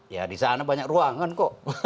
ya di sana banyak ruangan kok